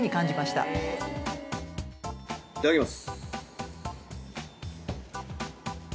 いただきます。